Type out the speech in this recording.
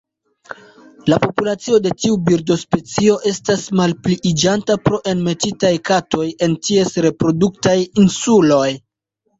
La populacio de tiu birdospecio estas malpliiĝanta pro enmetitaj katoj en ties reproduktaj insuloj.